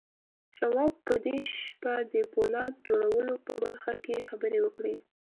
شواب په دې شپه د پولاد جوړولو په برخه کې خبرې وکړې.